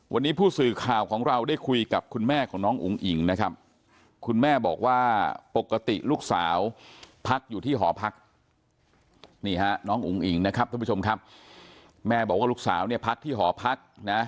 วันนี้ผู้สื่อข่าวของเราได้คุยกับคุณแม่ของน้องอุ๋งอิ๋งนะครับคุณแม่บอกว่าปกติลูกสาวพักอยู่ที่หอพัก